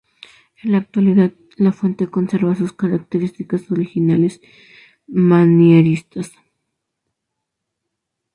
En la actualidad, la fuente conserva sus características originales manieristas.